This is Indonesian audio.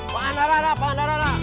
pak andara pak andara